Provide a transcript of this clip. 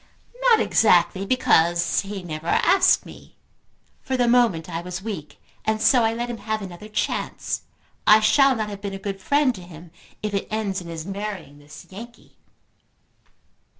"Not exactly; because he never asked me. For the moment I was weak, and so I let him have another chance. I shall not have been a good friend to him if it ends in his marrying this Yankee."